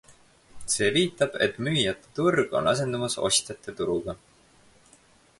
See viitab, et müüjate turg on asendumas ostjate turuga.